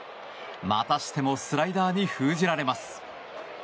またしてもスライダーに封じられます。